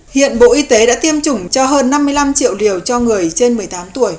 hiện bộ y tế đã tiêm chủng cho hơn năm mươi năm triệu liều cho người trên một mươi tám tuổi